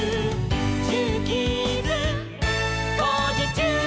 「ジューキーズ」「こうじちゅう！」